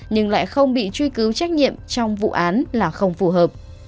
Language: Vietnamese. nhưng lại không bị truy cứu trách nhiệm trong vụ án là không phù hợp